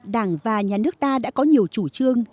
đảng và nhà nước ta đã có nhiều chủ trương